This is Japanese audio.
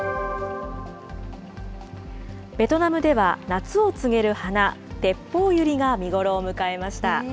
ベトナムでは、夏を告げる花、テッポウユリが見頃を迎えました。